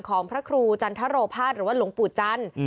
ของพระครูจันทรภาษหรือว่าหลวงปู่จันทร์